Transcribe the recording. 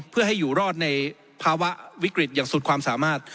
เพื่อให้อยู่รอดในภาวะวิกฤตอย่างสุดความสามารถ